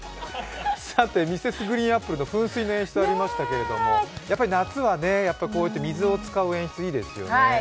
さてＭｒｓ．ＧＲＥＥＮＡＰＰＬＥの噴水の演出ありましたけど、やっぱり夏は水を使う演出いいですよね。